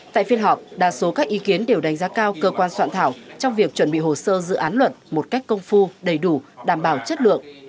tại phiên họp đa số các ý kiến đều đánh giá cao cơ quan soạn thảo trong việc chuẩn bị hồ sơ dự án luật một cách công phu đầy đủ đảm bảo chất lượng